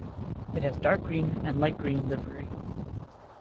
It has dark green and light green livery.